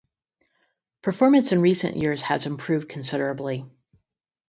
Performance in recent years has improved considerably.